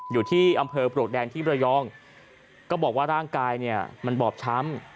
อยู่ที่อำเภอโปรดแดนที่ระยองก็บอกว่าร่างกายมันบอบช้ำ